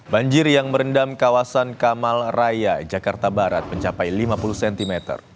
banjir yang merendam kawasan kamal raya jakarta barat mencapai lima puluh cm